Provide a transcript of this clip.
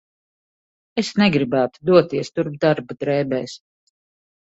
Es negribētu doties turp darba drēbēs.